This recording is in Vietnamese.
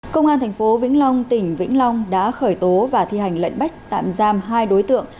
công an tp vĩnh long tỉnh vĩnh long đã khởi tố và thi hành lệnh bắt tạm giam hai đối tượng